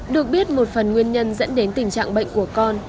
được biết một phần nguyên nhân dẫn đến tình trạng bệnh của con